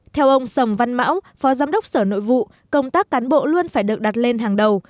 theo ông sầm văn mão phó giám đốc sở nội vụ công tác cán bộ luôn phải được đặt lên hàng đầu